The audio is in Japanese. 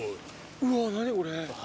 うわ何これ。